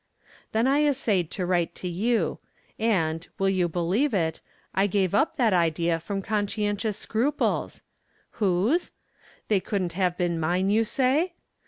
Then I essayed to write to you ; and, will you believe it, I gave up that idea from consci entious scruples ! Whose ? They couldn't have been mine, you say